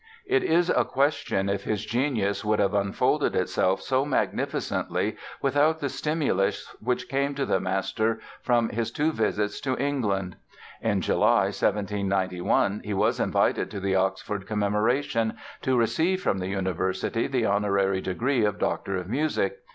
It is a question if his genius would have unfolded itself so magnificently without the stimulus which came to the master from his two visits to England. In July, 1791, he was invited to the Oxford Commemoration to receive from the University the honorary degree of Doctor of Music.